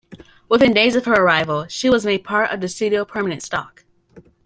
Within days of her arrival, she was made part of the studio permanent stock.